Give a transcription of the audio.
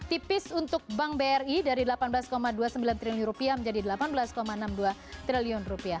tipis untuk bank bri dari delapan belas dua puluh sembilan triliun rupiah menjadi delapan belas enam puluh dua triliun rupiah